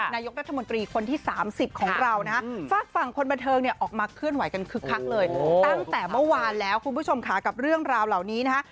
นายกรัฐมนตรีคนที่๓๐ของเรานะฮะฝากฝั่งคนบันเทิงเนี่ยออกมาเคลื่อนไหวกันคึกคักเลยตั้งแต่เมื่อวานแล้วคุณผู้ชมค่ะกับเรื่องราวเหล่านี้นะฮะ